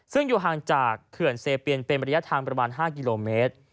ซึ่งอยู่ห่างจากเขื่อนเซเปียนเป็นระยะทางประมาณ๕กิโลเมตร